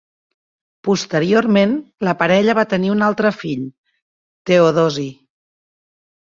Posteriorment la parella va tenir un altre fill, Teodosi.